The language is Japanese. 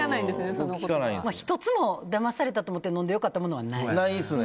１つもだまされたと思って飲んで良かったものはないね。